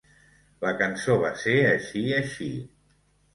La cançó va ser així així.